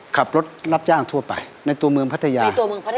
ขับรถรับจ้างทั่วไปในตัวเมืองปรัฐญา